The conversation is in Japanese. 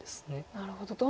なるほど。